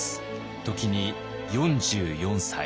時に４４歳。